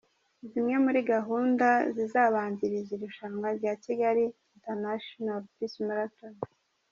Zimwe muri gahunda zizabanziriza irushanwa rya Kigali International Peace Marathon:.